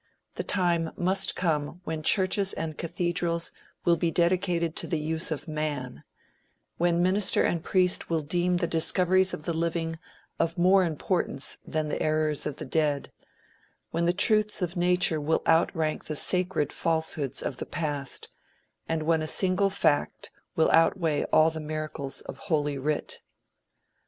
The time must come when churches and cathedrals will be dedicated to the use of man; when minister and priest will deem the discoveries of the living of more importance than the errors of the dead; when the truths of Nature will outrank the "sacred" falsehoods of the past, and when a single fact will outweigh all the miracles of Holy Writ.